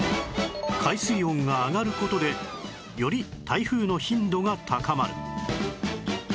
海水温が上がる事でより台風の頻度が高まる